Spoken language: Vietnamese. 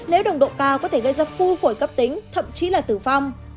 nếu nồng độ cao có thể gây ra phu phổi cấp tính thậm chí là tử vong